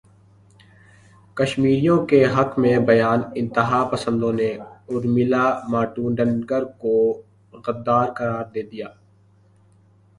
کشمیریوں کے حق میں بیان انتہا پسندوں نے ارمیلا ماٹونڈکر کو غدار قرار دے دیا